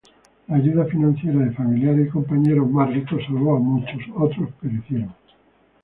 La ayuda financiera de familiares y compañeros más ricos salvó a muchos; otros perecieron.